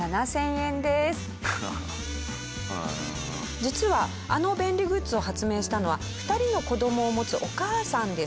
実はあの便利グッズを発明したのは２人の子どもを持つお母さんです。